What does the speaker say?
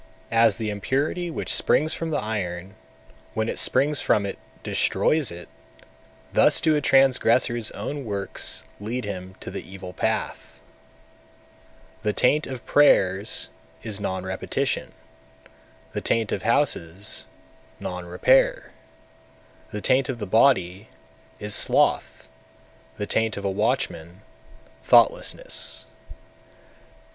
240. As the impurity which springs from the iron, when it springs from it, destroys it; thus do a transgressor's own works lead him to the evil path. 241. The taint of prayers is non repetition; the taint of houses, non repair; the taint of the body is sloth; the taint of a watchman, thoughtlessness.